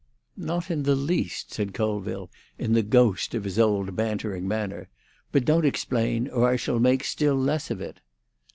"Not in the least," said Colville, in the ghost of his old bantering manner. "But don't explain, or I shall make still less of it."